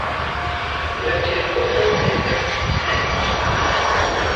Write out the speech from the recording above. La ĉefurbo estas Metz.